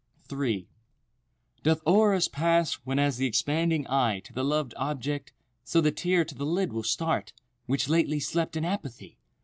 III Doth o'er us pass, when, as th' expanding eye To the loved object—so the tear to the lid Will start, which lately slept in apathy?